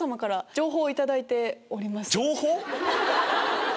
情報⁉